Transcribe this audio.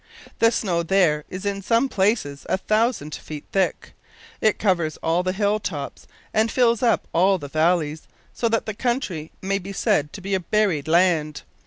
The snow there is in some places a thousand feet thick! It covers all the hill tops and fills up all the valleys, so that the country may be said to be a buried land.